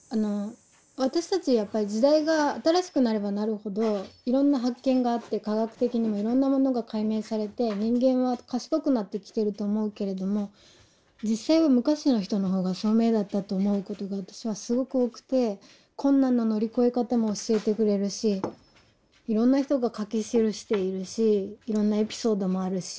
私たちやっぱり時代が新しくなればなるほどいろんな発見があって科学的にもいろんなものが解明されて人間は賢くなってきてると思うけれども実際は昔の人の方が聡明だったと思うことが私はすごく多くて困難の乗り越え方も教えてくれるしいろんな人が書き記しているしいろんなエピソードもあるし。